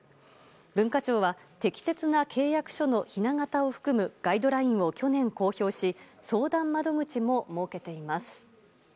文化庁は適切な契約書のひな形を含むガイドラインを去年公表し相談窓口も設けています。